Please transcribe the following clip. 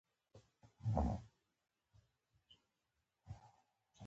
د غور غنم للمي حاصل ورکوي.